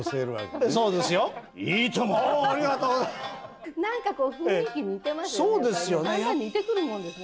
だんだん似てくるもんですね。